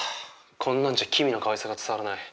こんなんじゃキミのかわいさが伝わらない。